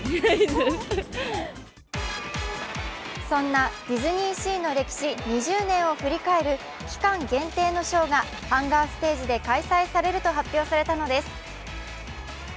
そんなディズニーシーの歴史２０年を振り返る期間限定のショーがハンガーステージで開催されると発表されたのです。